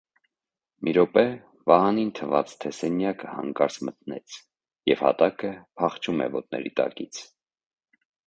Մի րոպե Վահանին թվաց, թե սենյակը հանկարծ մթնեց, և հատակը փախչում է ոտների տակից: